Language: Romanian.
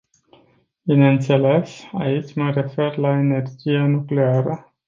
Bineînțeles, aici mă refer la energia nucleară.